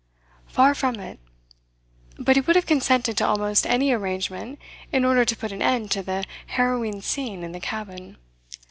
Far from it; but he would have consented to almost any arrangement in order to put an end to the harrowing scene in the cabin.